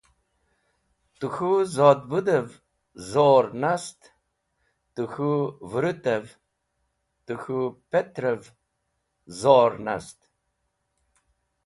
Tẽ k̃hũ zodbũd’vev zor nast, tẽ k̃hũ vũrũt’vev, tẽ k̃hũ pet’rev zor nast.